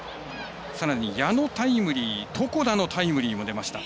さらに矢野、タイムリー床田のタイムリーも出ました。